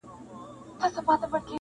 پلاره مه پرېږده چي ورور مي حرامخور سي,